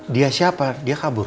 dia siapa dia kabur